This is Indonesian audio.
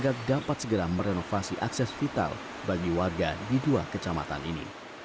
agar dapat segera merenovasi akses vital bagi warga di dua kecamatan ini